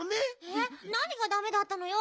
えっなにがダメだったのよ。